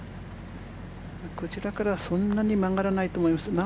こちらからはそんなに曲がらないと思います。